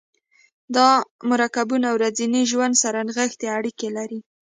دا مرکبونه ورځني ژوند سره نیغې اړیکې لري.